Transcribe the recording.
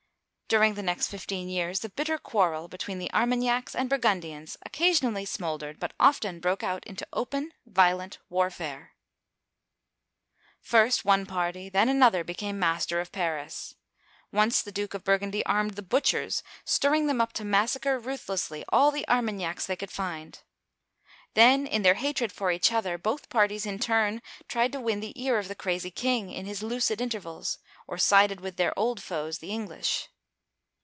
During the next fifteen years, the bitter quarrel between the Armagnacs and Bur gundians occasionally smoldered, but often broke out into open, violent warfare. First one party, then another, became master of Paris. Once the Duke of Burgundy armed the butchers, stirring them up to massacre ruthlessly all the Armagnacs they uigiTizea oy ^wiiv>OQlC CHARLES VI. (1380 1422) 181 could find. Then, in their hatred for each other, both parties in turn tried to win the ear of the crazy king in his lucid intervals, or sided with their old foes, the English.